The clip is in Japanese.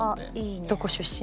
どこ出身？